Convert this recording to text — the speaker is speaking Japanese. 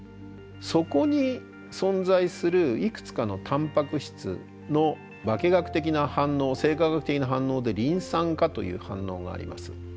そこに存在するいくつかのタンパク質の化学的な反応生化学的な反応でリン酸化という反応があります。